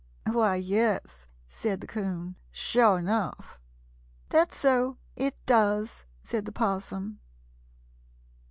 "Why, yes," said the 'Coon. "Sure enough!" "That's so! It does!" said the 'Possum.